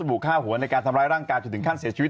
บุกฆ่าหัวในการทำร้ายร่างกายจนถึงขั้นเสียชีวิต